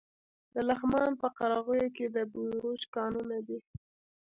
د لغمان په قرغیو کې د بیروج کانونه دي.